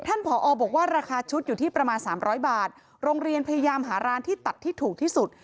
ผอบอกว่าราคาชุดอยู่ที่ประมาณสามร้อยบาทโรงเรียนพยายามหาร้านที่ตัดที่ถูกที่สุด